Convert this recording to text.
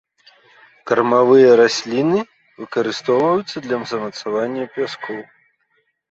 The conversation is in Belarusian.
Кармавыя расліны, выкарыстоўваюцца для замацавання пяскоў.